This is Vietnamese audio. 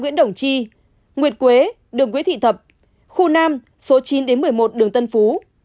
khu phố ba đồng chi nguyệt quế đường quế thị thập khu nam số chín đến một mươi một đường tân phú